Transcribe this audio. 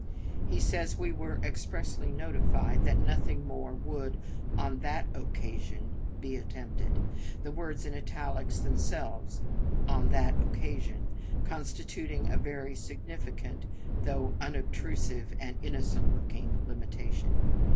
He says we were "expressly notified" that nothing more "would on that occasion be attempted" the words in italics themselves constituting a very significant though unobtrusive and innocent looking limitation.